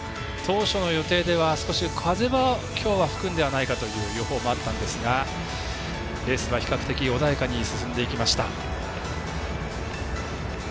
当初の予定では少し風はきょうは吹くんではないかという予報もあったんですがレースは比較的、穏やかに進んでいきました。